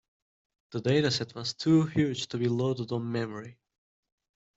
The dataset was too huge to be loaded on memory.